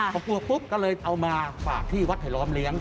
พอกลัวปุ๊บก็เลยเอามาฝากที่วัดไผลล้อมเลี้ยง